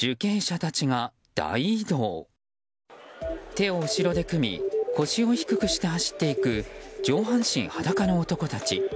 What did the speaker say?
手を後ろで組み腰を低くして走っていく上半身裸の男たち。